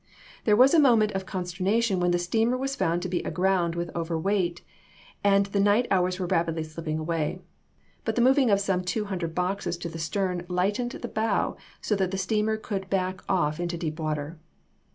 There was a moment of consternation when the steamer was found to be aground with overweight, and the night hours were rapidly slipping away; but the moving of some two hundred boxes to the stern lightened the bow so that the steamer could back off into deep water.